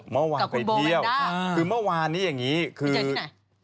เมื่อวานไปเที่ยวคือเมื่อวานนี้อย่างนี้คือเธอเจอที่ไหน